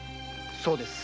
そうです。